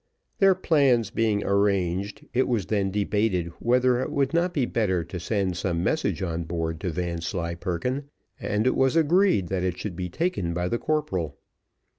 Their plans being arranged, it was then debated whether it would not be better to send some message on board to Vanslyperken, and it was agreed that it should be taken by the corporal.